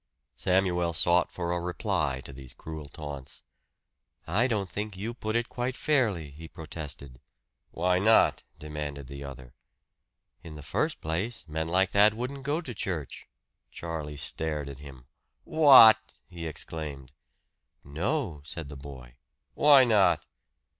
Samuel sought for a reply to these cruel taunts. "I don't think you put it quite fairly," he protested. "Why not?" demanded the other. "In the first place, men like that wouldn't go to church " Charlie stared at him. "What!" he exclaimed. "No," said the boy. "Why not?"